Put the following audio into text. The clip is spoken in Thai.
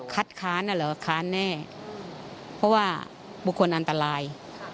ค้านอ่ะเหรอค้านแน่เพราะว่าบุคคลอันตราย